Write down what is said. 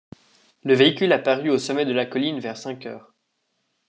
Le véhicule apparut au sommet de la colline vers cinq heures.